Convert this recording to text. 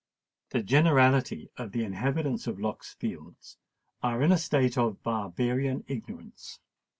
The generality of the inhabitants of Lock's Fields are in a state of barbarian ignorance.